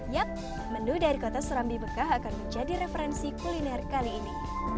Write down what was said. yap menu dari kota serambi mekah akan menjadi referensi kuliner kali ini